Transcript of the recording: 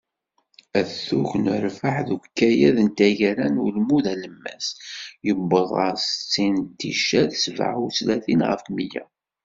Atug n urbaḥ deg ukayad n taggara n ulmud alemmas, yewweḍ ɣer settin ticcert sebεa u tlatin ɣef mya.